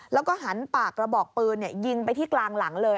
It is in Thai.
แล้วก็หันปากกระบอกปืนยิงไปที่กลางหลังเลย